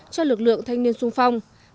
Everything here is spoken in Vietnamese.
cho lực lượng thanh niên và các bộ công nghiệp